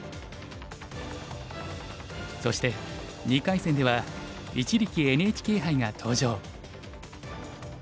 そして２回戦では一力ＮＨＫ杯が登場。